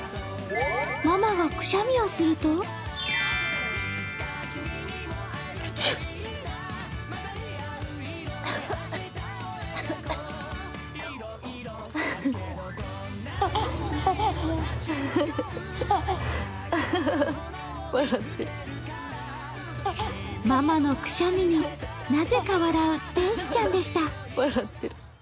ママがくしゃみをするとママのくしゃみに、なぜか笑う天使ちゃんでした。